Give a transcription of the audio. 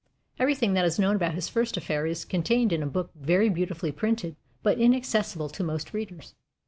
Everything that is known about his first affair is contained in a book very beautifully printed, but inaccessible to most readers.